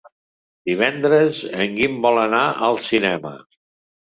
Divendres en Guim vol anar al cinema.